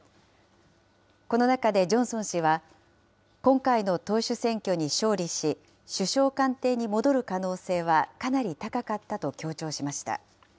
この中でジョンソン氏は、今回の党首選挙に勝利し、首相官邸に戻る可能性はかなり高かったと強調しました。